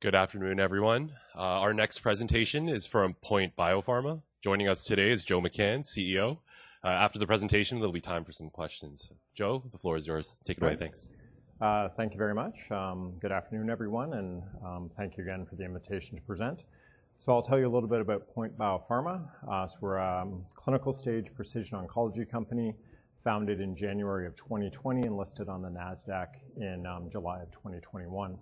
Good afternoon, everyone. Our next presentation is from POINT Biopharma. Joining us today is Joe McCann, CEO. After the presentation, there'll be time for some questions. Joe, the floor is yours. Take it away. Thanks. Great. Thank you very much. Good afternoon, everyone, and thank you again for the invitation to present. I'll tell you a little bit about POINT Biopharma. We're a clinical stage precision oncology company founded in January of 2020 and listed on the Nasdaq in July of 2021.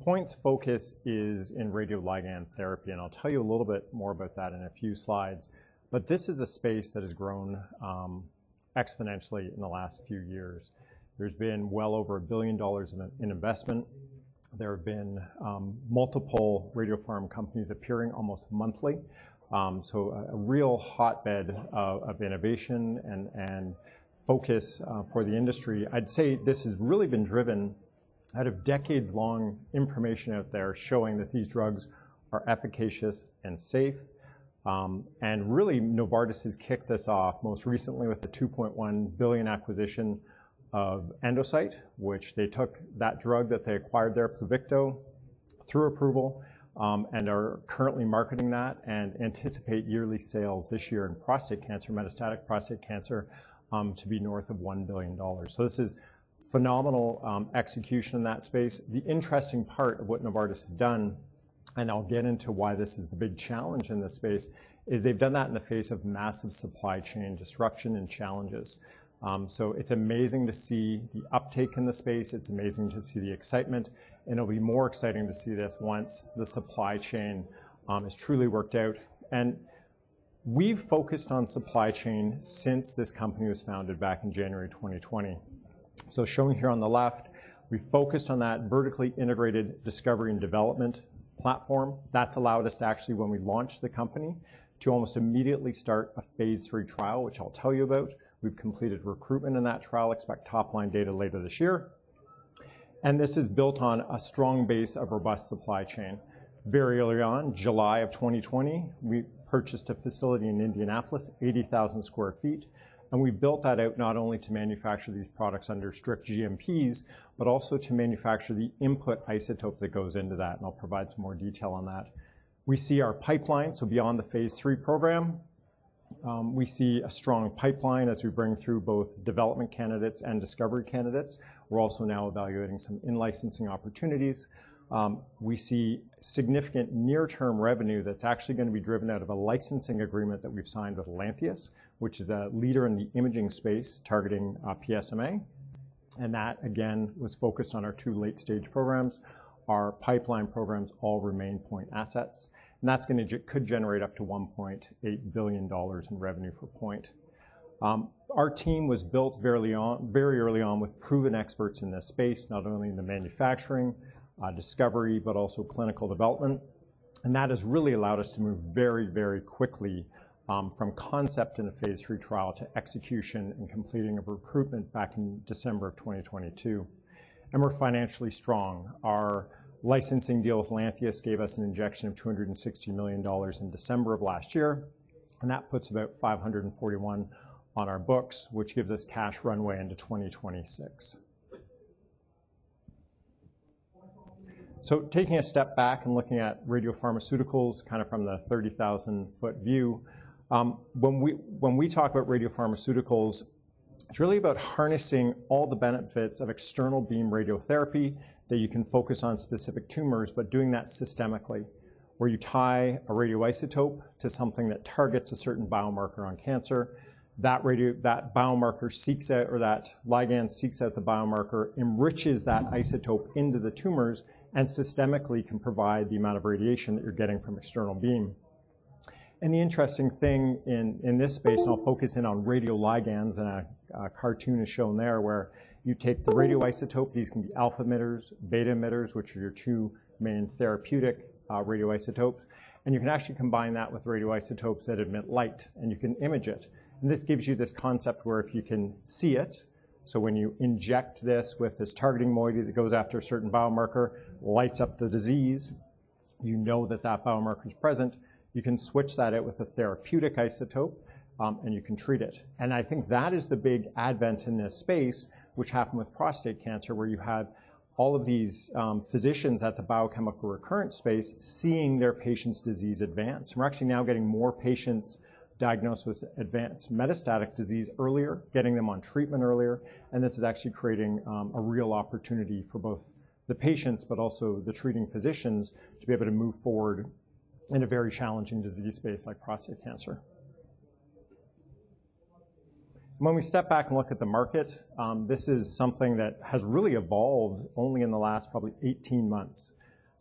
POINT's focus is in radioligand therapy, and I'll tell you a little bit more about that in a few slides. This is a space that has grown exponentially in the last few years. There's been well over a $1 billion in investment. There have been multiple radiopharm companies appearing almost monthly. A real hotbed of innovation and focus for the industry. I'd say this has really been driven out of decades-long information out there showing that these drugs are efficacious and safe. Really, Novartis has kicked this off most recently with the $2.1 billion acquisition of Endocyte, which they took that drug that they acquired there, PLUVICTO, through approval, and are currently marketing that and anticipate yearly sales this year in prostate cancer, metastatic prostate cancer, to be north of $1 billion. This is phenomenal execution in that space. The interesting part of what Novartis has done, and I'll get into why this is the big challenge in this space, is they've done that in the face of massive supply chain disruption and challenges. It's amazing to see the uptake in the space. It's amazing to see the excitement, and it'll be more exciting to see this once the supply chain is truly worked out. We've focused on supply chain since this company was founded back in January 2020. Showing here on the left, we focused on that vertically integrated discovery and development platform. That's allowed us to actually, when we launched the company, to almost immediately start a phase III trial, which I'll tell you about. We've completed recruitment in that trial. Expect top-line data later this year. This is built on a strong base of robust supply chain. Very early on, July of 2020, we purchased a facility in Indianapolis, 80,000 sq ft. We built that out not only to manufacture these products under strict GMPs, but also to manufacture the input isotope that goes into that. I'll provide some more detail on that. We see our pipeline. Beyond the phase III program, we see a strong pipeline as we bring through both development candidates and discovery candidates. We're also now evaluating some in-licensing opportunities. We see significant near-term revenue that's actually gonna be driven out of a licensing agreement that we've signed with Lantheus, which is a leader in the imaging space targeting PSMA. That, again, was focused on our two late-stage programs. Our pipeline programs all remain POINT assets, and that's could generate up to $1.8 billion in revenue for POINT. Our team was built very very early on with proven experts in this space, not only in the manufacturing, discovery, but also clinical development. That has really allowed us to move very, very quickly from concept in a phase III trial to execution and completing of recruitment back in December of 2022. We're financially strong. Our licensing deal with Lantheus gave us an injection of $260 million in December of last year. That puts about $541 on our books, which gives us cash runway into 2026. Taking a step back and looking at radiopharmaceuticals kinda from the 30,000-foot view. When we talk about radiopharmaceuticals, it's really about harnessing all the benefits of external beam radiotherapy that you can focus on specific tumors, but doing that systemically, where you tie a radioisotope to something that targets a certain biomarker on cancer. That biomarker seeks out or that ligand seeks out the biomarker, enriches that isotope into the tumors, and systemically can provide the amount of radiation that you're getting from external beam. The interesting thing in this space, and I'll focus in on radioligands, and a cartoon is shown there, where you take the radioisotope. These can be alpha emitters, beta emitters, which are your two main therapeutic radioisotopes. You can actually combine that with radioisotopes that emit light, and you can image it. This gives you this concept where if you can see it, so when you inject this with this targeting moiety that goes after a certain biomarker, lights up the disease, you know that that biomarker is present. You can switch that out with a therapeutic isotope, and you can treat it. I think that is the big advent in this space which happened with prostate cancer, where you had all of these physicians at the biochemical recurrent space seeing their patient's disease advance. We're actually now getting more patients diagnosed with advanced metastatic disease earlier, getting them on treatment earlier, and this is actually creating a real opportunity for both the patients but also the treating physicians to be able to move forward in a very challenging disease space like prostate cancer. When we step back and look at the market, this is something that has really evolved only in the last probably 18 months.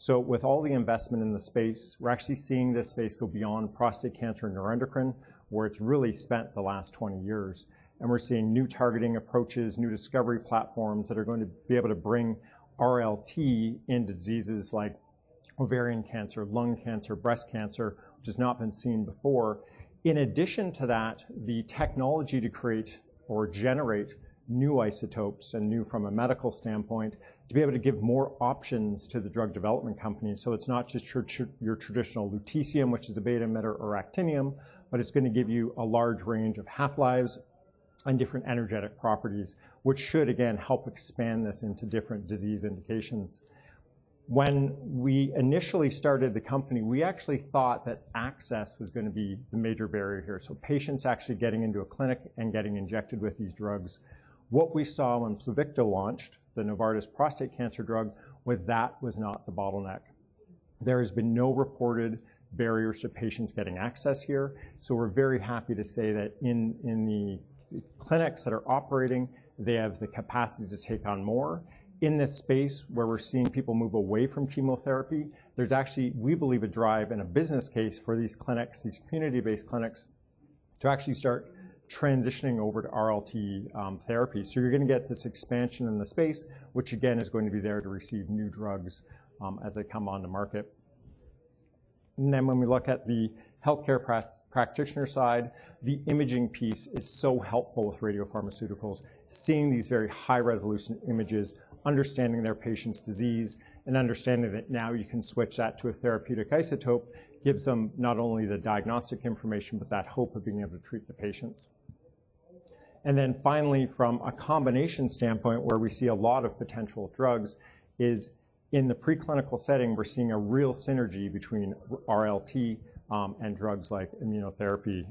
With all the investment in the space, we're actually seeing this space go beyond prostate cancer and neuroendocrine, where it's really spent the last 20 years. We're seeing new targeting approaches, new discovery platforms that are going to be able to bring RLT into diseases like ovarian cancer, lung cancer, breast cancer, which has not been seen before. In addition to that, the technology to create or generate new isotopes and new from a medical standpoint, to be able to give more options to the drug development companies. It's not just your traditional lutetium, which is a beta emitter or actinium, but it's going to give you a large range of half-lives and different energetic properties, which should again help expand this into different disease indications. When we initially started the company, we actually thought that access was going to be the major barrier here, so patients actually getting into a clinic and getting injected with these drugs. What we saw when PLUVICTO launched, the Novartis prostate cancer drug, was that was not the bottleneck. There has been no reported barriers to patients getting access here, so we're very happy to say that in the clinics that are operating, they have the capacity to take on more. In this space where we're seeing people move away from chemotherapy, there's actually, we believe, a drive and a business case for these clinics, these community-based clinics, to actually start transitioning over to RLT therapy. You're gonna get this expansion in the space, which again is going to be there to receive new drugs as they come on the market. When we look at the healthcare practitioner side, the imaging piece is so helpful with radiopharmaceuticals. Seeing these very high-resolution images, understanding their patient's disease, and understanding that now you can switch that to a therapeutic isotope, gives them not only the diagnostic information, but that hope of being able to treat the patients. Finally, from a combination standpoint where we see a lot of potential drugs, is in the preclinical setting, we're seeing a real synergy between RLT and drugs like immunotherapy.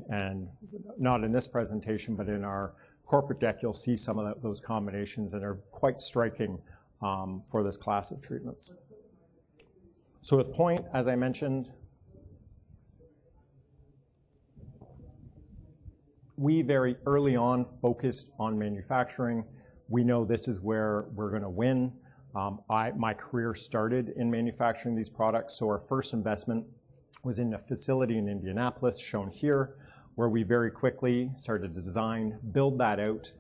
Not in this presentation, but in our corporate deck, you'll see some of those combinations that are quite striking for this class of treatments. With POINT, as I mentioned, we very early on focused on manufacturing. We know this is where we're gonna win. My career started in manufacturing these products, so our first investment was in a facility in Indianapolis, shown here, where we very quickly started to design, build that out,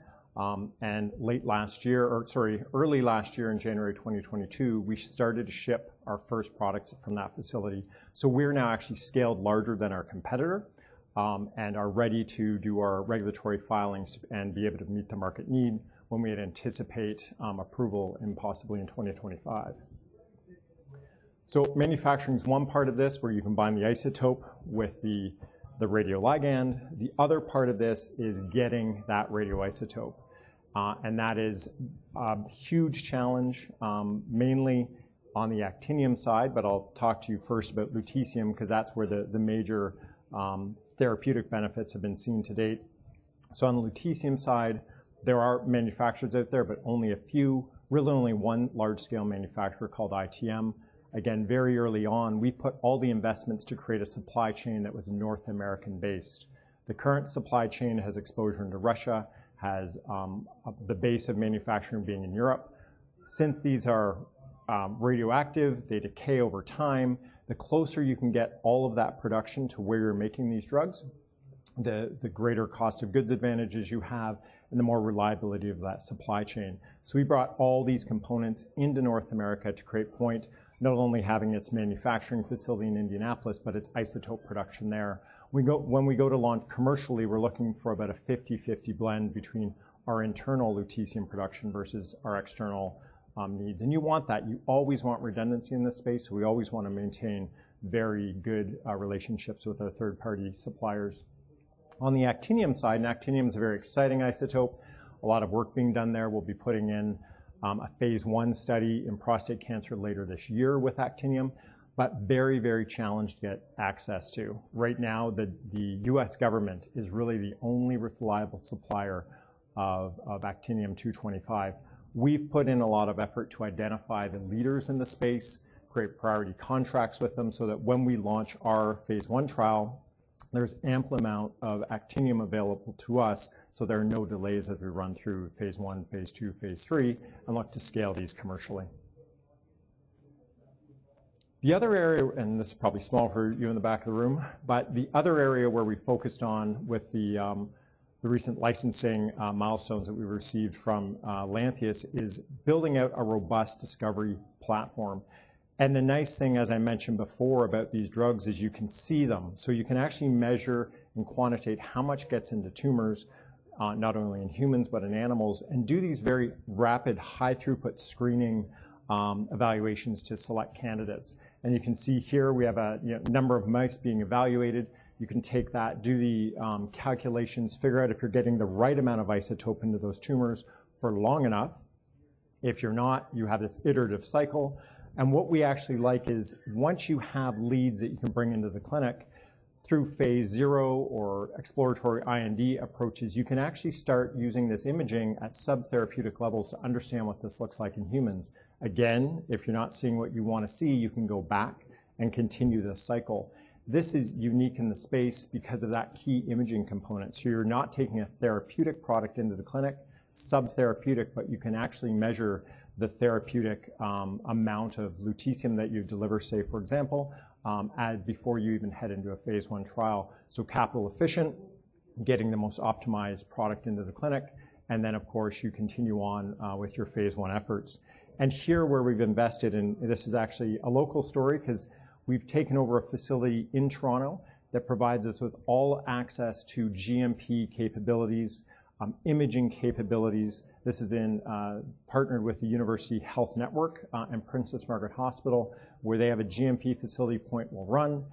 and late last year, or sorry, early last year, in January 2022, we started to ship our first products from that facility. We're now actually scaled larger than our competitor, and are ready to do our regulatory filings and be able to meet the market need when we anticipate approval in possibly in 2025. Manufacturing is one part of this, where you combine the isotope with the radioligand. The other part of this is getting that radioisotope, and that is a huge challenge, mainly on the actinium side, but I'll talk to you first about lutetium 'cause that's where the major therapeutic benefits have been seen to date. On the lutetium side, there are manufacturers out there, but only a few. Really only one large-scale manufacturer called ITM. Again, very early on, we put all the investments to create a supply chain that was North American-based. The current supply chain has exposure into Russia, has the base of manufacturing being in Europe. Since these are radioactive, they decay over time. The closer you can get all of that production to where you're making these drugs, the greater cost of goods advantages you have and the more reliability of that supply chain. We brought all these components into North America to create POINT, not only having its manufacturing facility in Indianapolis, but its isotope production there. When we go to launch commercially, we're looking for about a 50/50 blend between our internal lutetium production versus our external needs. You want that. You always want redundancy in this space, so we always wanna maintain very good relationships with our third-party suppliers. On the actinium side, actinium is a very exciting isotope, a lot of work being done there. We'll be putting in a phase I study in prostate cancer later this year with actinium, very, very challenged to get access to. Right now, the U.S. government is really the only reliable supplier of actinium-225. We've put in a lot of effort to identify the leaders in the space, create priority contracts with them, so that when we launch our phase I trial, there's ample amount of actinium available to us. There are no delays as we run through phase I, phase II, phase III, and look to scale these commercially. The other area, this is probably small for you in the back of the room, but the other area where we focused on with the recent licensing milestones that we received from Lantheus, is building out a robust discovery platform. The nice thing, as I mentioned before, about these drugs is you can see them. You can actually measure and quantitate how much gets into tumors, not only in humans but in animals, and do these very rapid high-throughput screening evaluations to select candidates. You can see here we have a, you know, number of mice being evaluated. You can take that, do the calculations, figure out if you're getting the right amount of isotope into those tumors for long enough. If you're not, you have this iterative cycle. What we actually like is once you have leads that you can bring into the clinic through phase O or exploratory IND approaches, you can actually start using this imaging at subtherapeutic levels to understand what this looks like in humans. Again, if you're not seeing what you wanna see, you can go back and continue this cycle. This is unique in the space because of that key imaging component. You're not taking a therapeutic product into the clinic, subtherapeutic, but you can actually measure the therapeutic amount of lutetium that you deliver, say, for example, before you even head into a phase I trial. Capital efficient, getting the most optimized product into the clinic, and then of course, you continue on with your phase I efforts. Here where we've invested, and this is actually a local story 'cause we've taken over a facility in Toronto that provides us with all access to GMP capabilities, imaging capabilities. This is in partnered with the University Health Network and Princess Margaret Cancer Centre, where they have a GMP facility POINT will run,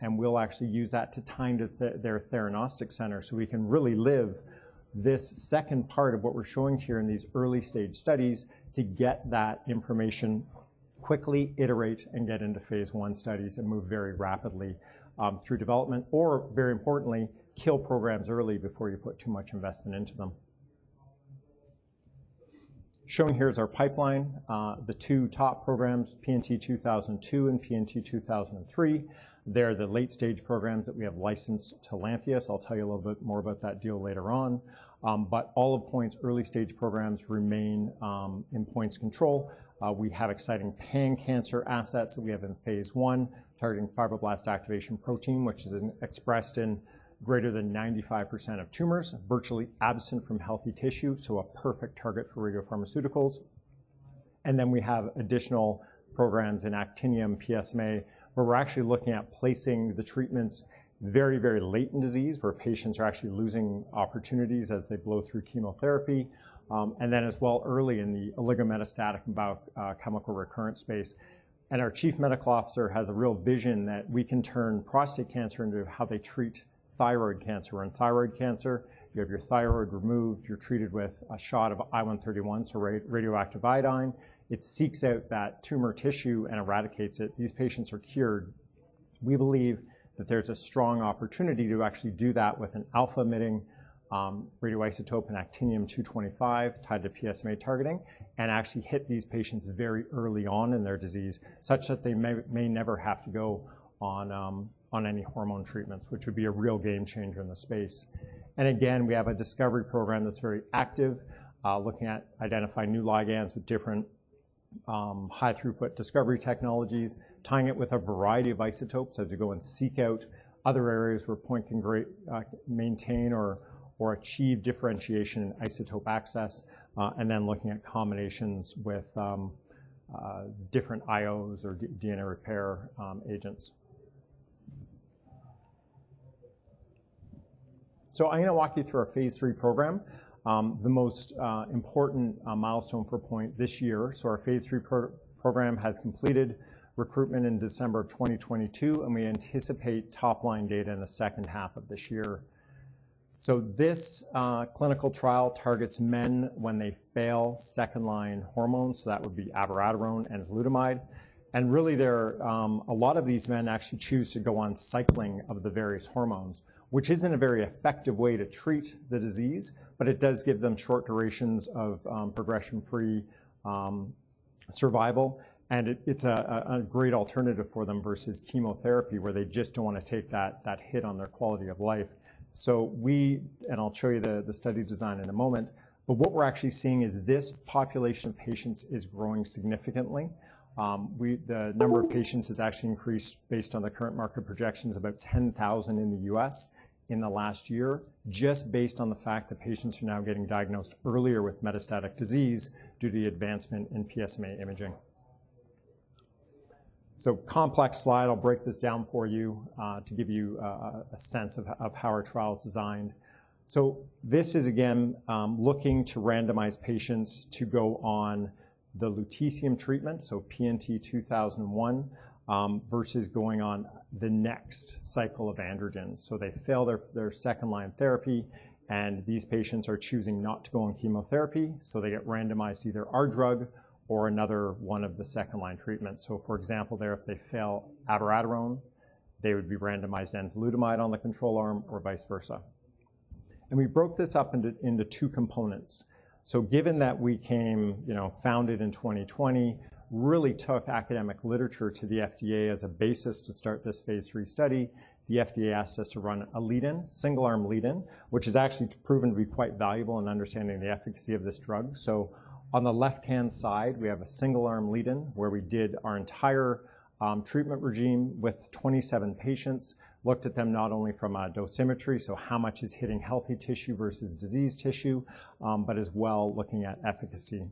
and we'll actually use that to tie into their theranostics center so we can really live this second part of what we're showing here in these early-stage studies to get that information. Quickly iterate and get into phase I studies and move very rapidly through development, or very importantly, kill programs early before you put too much investment into them. Shown here is our pipeline. The two top programs, PNT2002 and PNT2003, they're the late-stage programs that we have licensed to Lantheus. I'll tell you a little bit more about that deal later on. All of POINT's early-stage programs remain in POINT's control. We have exciting pan-cancer assets we have in phase I, targeting fibroblast activation protein, which is expressed in greater than 95% of tumors, virtually absent from healthy tissue, so a perfect target for radiopharmaceuticals. We have additional programs in actinium PSMA, where we're actually looking at placing the treatments very, very late in disease, where patients are actually losing opportunities as they blow through chemotherapy. As well early in the oligometastatic and biochemical recurrence space. Our Chief Medical Officer has a real vision that we can turn prostate cancer into how they treat thyroid cancer. In thyroid cancer, you have your thyroid removed, you're treated with a shot of I-131, so radioactive iodine. It seeks out that tumor tissue and eradicates it. These patients are cured. We believe that there's a strong opportunity to actually do that with an alpha-emitting radioisotope and actinium-225 tied to PSMA targeting and actually hit these patients very early on in their disease, such that they may never have to go on on any hormone treatments, which would be a real game changer in the space. Again, we have a discovery program that's very active, looking at identifying new ligands with different high-throughput discovery technologies, tying it with a variety of isotopes so to go and seek out other areas where POINT can maintain or achieve differentiation in isotope access, and then looking at combinations with different IOs or DNA repair agents. I'm gonna walk you through our phase III program, the most important milestone for POINT this year. Our phase III program has completed recruitment in December of 2022, and we anticipate top-line data in the second half of this year. This clinical trial targets men when they fail second-line hormones, so that would be abiraterone, enzalutamide. Really, there are a lot of these men actually choose to go on cycling of the various hormones, which isn't a very effective way to treat the disease, but it does give them short durations of progression-free survival. It's a great alternative for them versus chemotherapy, where they just don't wanna take that hit on their quality of life. We... I'll show you the study design in a moment, but what we're actually seeing is this population of patients is growing significantly. The number of patients has actually increased based on the current market projections, about 10,000 in the U.S. in the last year, just based on the fact that patients are now getting diagnosed earlier with metastatic disease due to the advancement in PSMA imaging. Complex slide. I'll break this down for you to give you a sense of how our trial is designed. This is, again, looking to randomize patients to go on the lutetium treatment, PNT2001, versus going on the next cycle of androgens. They fail their second-line therapy, and these patients are choosing not to go on chemotherapy, so they get randomized to either our drug or another one of the second-line treatments. For example, if they fail abiraterone, they would be randomized enzalutamide on the control arm or vice versa. We broke this up into two components. Given that we came, you know, founded in 2020, really took academic literature to the FDA as a basis to start this phase III study, the FDA asked us to run a lead-in, single-arm lead-in, which has actually proven to be quite valuable in understanding the efficacy of this drug. On the left-hand side, we have a single-arm lead-in where we did our entire treatment regime with 27 patients, looked at them not only from a dosimetry, so how much is hitting healthy tissue versus diseased tissue, but as well looking at efficacy.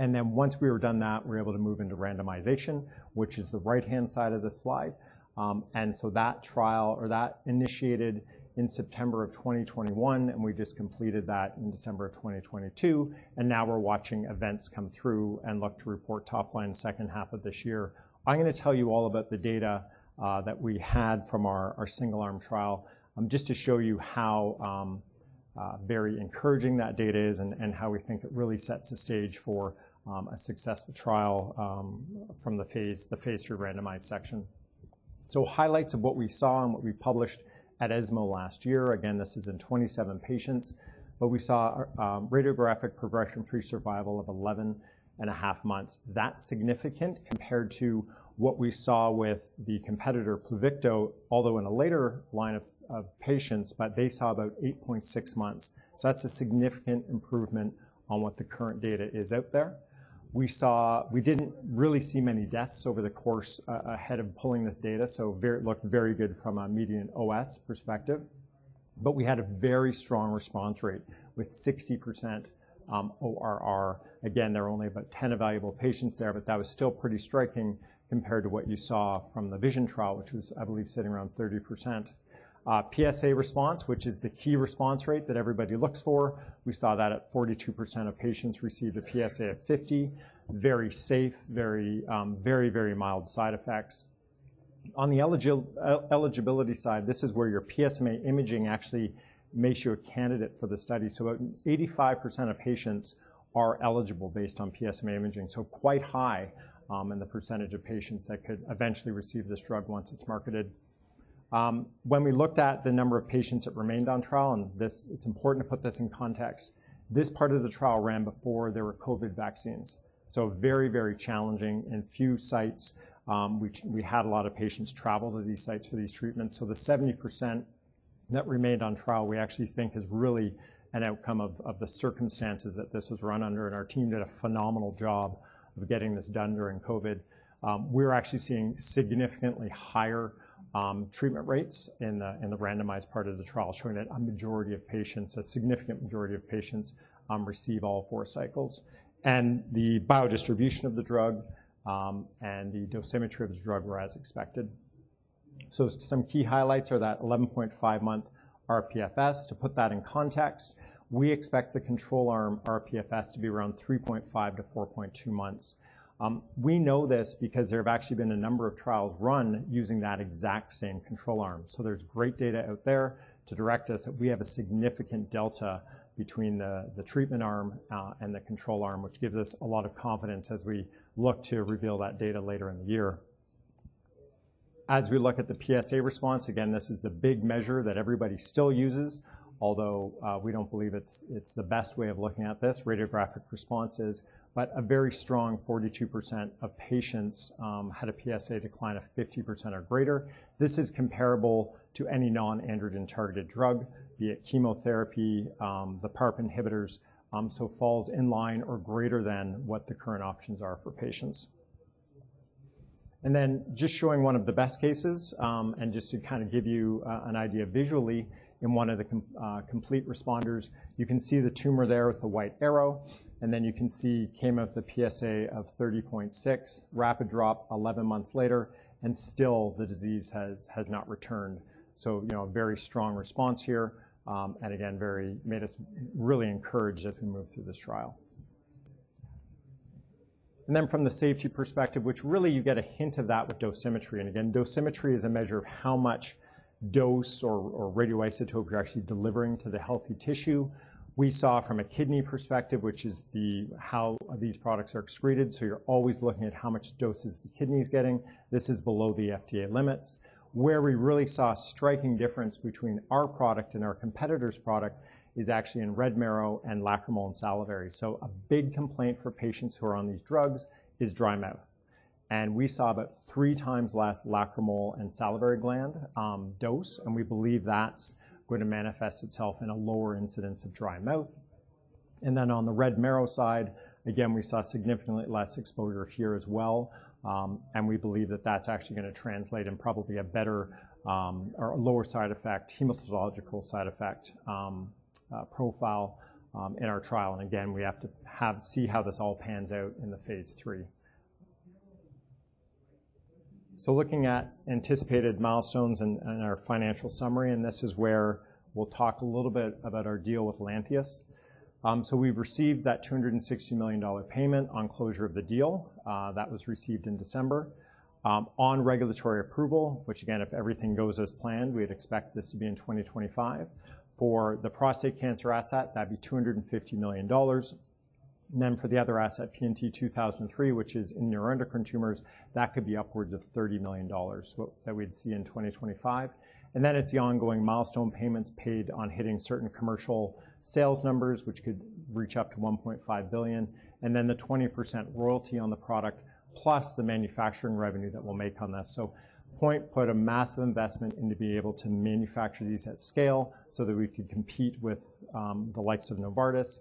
Once we were done that, we were able to move into randomization, which is the right-hand side of this slide. That trial or that initiated in September of 2021, and we just completed that in December of 2022. Now we're watching events come through and look to report top line second half of this year. I'm gonna tell you all about the data that we had from our single-arm trial, just to show you how very encouraging that data is and how we think it really sets the stage for a successful trial from the phase III randomized section. Highlights of what we saw and what we published at ESMO last year. Again, this is in 27 patients, we saw radiographic progression-free survival of 11.5 months. That's significant compared to what we saw with the competitor PLUVICTO, although in a later line of patients, they saw about 8.6 months. That's a significant improvement on what the current data is out there. We didn't really see many deaths over the course ahead of pulling this data. It looked very good from a median OS perspective. We had a very strong response rate with 60% ORR. Again, there are only about 10 evaluable patients there, that was still pretty striking compared to what you saw from the VISION trial, which was, I believe, sitting around 30%. PSA response, which is the key response rate that everybody looks for, we saw that at 42% of patients received a PSA of 50. Very safe, very mild side effects. On the eligibility side, this is where your PSMA imaging actually makes you a candidate for the study. 85% of patients are eligible based on PSMA imaging, so quite high in the percentage of patients that could eventually receive this drug once it's marketed. When we looked at the number of patients that remained on trial, and it's important to put this in context, this part of the trial ran before there were COVID vaccines, so very, very challenging and few sites, which we had a lot of patients travel to these sites for these treatments. The 70% that remained on trial, we actually think is really an outcome of the circumstances that this was run under, and our team did a phenomenal job of getting this done during COVID. We're actually seeing significantly higher treatment rates in the randomized part of the trial, showing that a majority of patients, a significant majority of patients, receive all four cycles. The biodistribution of the drug and the dosimetry of this drug were as expected. Some key highlights are that 11.5-month RPFS. To put that in context, we expect the control arm RPFS to be around 3.5-4.2 months. We know this because there have actually been a number of trials run using that exact same control arm. There's great data out there to direct us that we have a significant delta between the treatment arm and the control arm, which gives us a lot of confidence as we look to reveal that data later in the year. As we look at the PSA response, again, this is the big measure that everybody still uses, although we don't believe it's the best way of looking at this radiographic responses. A very strong 42% of patients had a PSA decline of 50% or greater. This is comparable to any non-androgen targeted drug, be it chemotherapy, the PARP inhibitors, so falls in line or greater than what the current options are for patients. Just showing one of the best cases, and just to kind of give you an idea visually in one of the complete responders, you can see the tumor there with the white arrow, and then you can see came with a PSA of 30.6, rapid drop 11 months later, and still the disease has not returned. You know, a very strong response here, and again, made us really encouraged as we move through this trial. From the safety perspective, which really you get a hint of that with dosimetry. Again, dosimetry is a measure of how much dose or radioisotope you're actually delivering to the healthy tissue. We saw from a kidney perspective, which is how these products are excreted, so you're always looking at how much doses the kidney is getting. This is below the FDA limits. Where we really saw a striking difference between our product and our competitor's product is actually in red marrow and lacrimal and salivary. A big complaint for patients who are on these drugs is dry mouth. We saw about 3x less lacrimal and salivary gland dose, and we believe that's going to manifest itself in a lower incidence of dry mouth. On the red marrow side, again, we saw significantly less exposure here as well, and we believe that that's actually gonna translate in probably a better or lower side effect, hematological side effect profile in our trial. Again, we have to see how this all pans out in the phase III. Looking at anticipated milestones and our financial summary, and this is where we'll talk a little bit about our deal with Lantheus. We've received that $260 million payment on closure of the deal, that was received in December. On regulatory approval, which again, if everything goes as planned, we'd expect this to be in 2025. For the prostate cancer asset, that'd be $250 million. For the other asset, PNT2003, which is in neuroendocrine tumors, that could be upwards of $30 million that we'd see in 2025. It's the ongoing milestone payments paid on hitting certain commercial sales numbers, which could reach up to $1.5 billion. The 20% royalty on the product plus the manufacturing revenue that we'll make on this. POINT put a massive investment in to be able to manufacture these at scale so that we could compete with the likes of Novartis.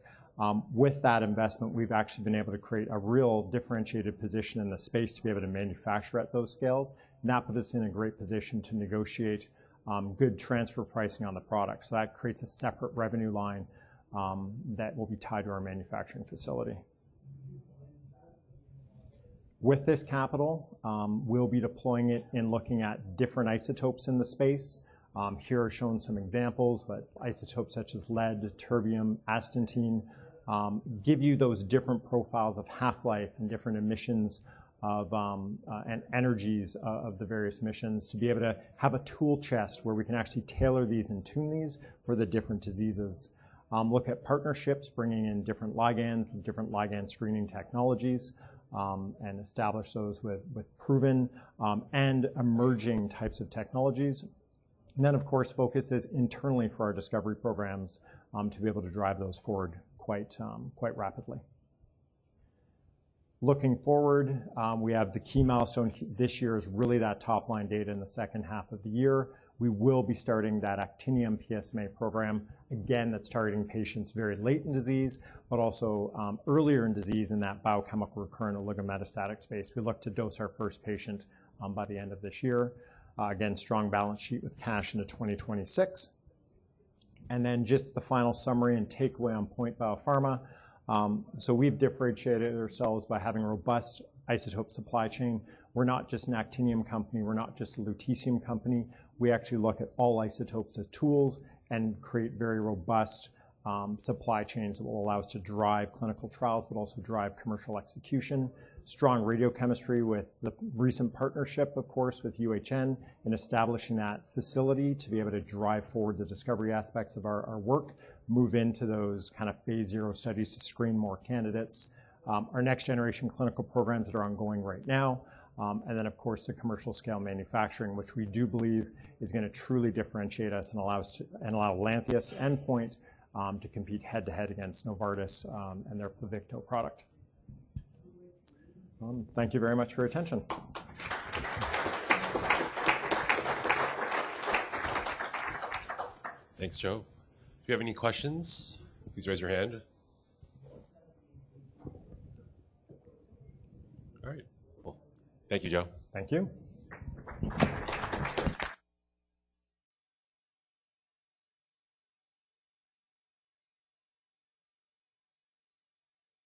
With that investment, we've actually been able to create a real differentiated position in the space to be able to manufacture at those scales, and that put us in a great position to negotiate good transfer pricing on the product. That creates a separate revenue line that will be tied to our manufacturing facility. With this capital, we'll be deploying it in looking at different isotopes in the space. Here are shown some examples, isotopes such as lead, terbium, astatine give you those different profiles of half-life and different emissions of and energies of the various missions to be able to have a tool chest where we can actually tailor these and tune these for the different diseases. Look at partnerships, bringing in different ligands and different ligand screening technologies, and establish those with proven, and emerging types of technologies. Of course, focus is internally for our discovery programs, to be able to drive those forward quite rapidly. Looking forward, we have the key milestone this year is really that top-line data in the second half of the year. We will be starting that actinium PSMA program. Again, that's targeting patients very late in disease, but also, earlier in disease in that biochemical recurrence oligometastatic space. We look to dose our first patient by the end of this year. Again, strong balance sheet with cash into 2026. Just the final summary and takeaway on POINT Biopharma. We've differentiated ourselves by having a robust isotope supply chain. We're not just an actinium company. We're not just a lutetium company. We actually look at all isotopes as tools and create very robust supply chains that will allow us to drive clinical trials but also drive commercial execution. Strong radiochemistry with the recent partnership, of course, with UHN in establishing that facility to be able to drive forward the discovery aspects of our work, move into those kind of phase O studies to screen more candidates. Our next-generation clinical programs that are ongoing right now. Of course, the commercial scale manufacturing, which we do believe is gonna truly differentiate us and allow Lantheus and POINT to compete head-to-head against Novartis and their PLUVICTO product. Thank you very much for your attention. Thanks, Joe. If you have any questions, please raise your hand. All right. Well, thank you, Joe. Thank you.